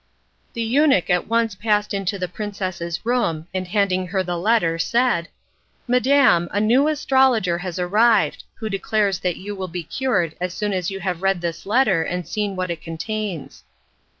The eunuch at once passed into the princess's room, and handing her the letter said: "Madam, a new astrologer has arrived, who declares that you will be cured as soon as you have read this letter and seen what it contains."